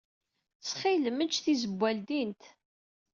Ttxil-m, ejj tizewwa ledyent.